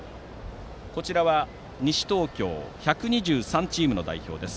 こちらは西東京１２３チームの代表です。